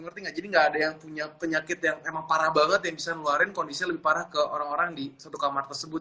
ngerti gak jadi nggak ada yang punya penyakit yang emang parah banget yang bisa ngeluarin kondisinya lebih parah ke orang orang di satu kamar tersebut